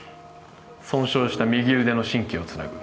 損傷した右腕の神経をつなぐ